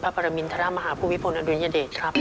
พระปรมินทรมาหาผู้วิพงศ์อดุลุยเดชครับ